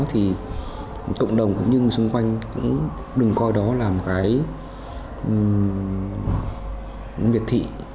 thì cộng đồng cũng như xung quanh đừng coi đó là một cái miệt thị